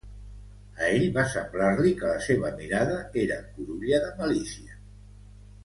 A ell va semblar-li que la seva mirada era curulla de malícia.